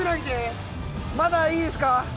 まだいいですか？